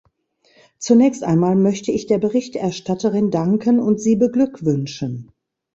Zunächst einmal möchte ich der Berichterstatterin danken und sie beglückwünschen.